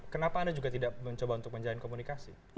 kenapa anda juga tidak mencoba untuk menjalin komunikasi